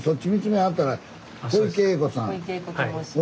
小池栄子と申します。